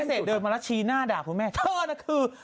คุณผู้พิเศษเดินมาแล้วชี้หน้าด่าคุณแม่เธอนะคือ